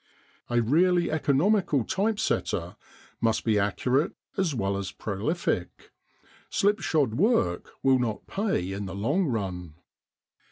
A really economical type setter must be accurate as well as prolific. Slipshod work will not pay in the long run.